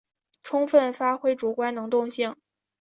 充分发挥主观能动性